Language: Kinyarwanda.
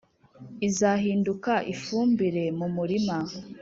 izahinduka ifumbire mu murima